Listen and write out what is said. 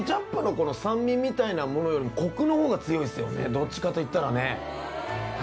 どっちかといったらね。